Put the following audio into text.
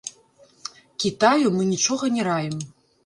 Кітаю мы нічога не раім.